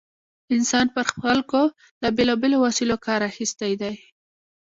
انسان پر خلکو له بېلا بېلو وسایلو کار اخیستی دی.